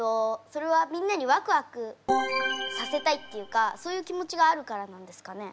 それはみんなにワクワクさせたいっていうかそういう気持ちがあるからなんですかね？